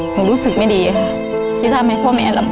หนูรู้สึกไม่ดีที่ทำให้พ่อแม่รับรับ